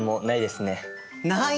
ないですね